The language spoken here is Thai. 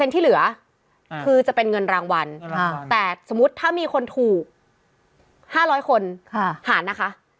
ที่เหลือคือจะเป็นเงินรางวัลแต่สมมุติถ้ามีคนถูก๕๐๐คนหารนะคะ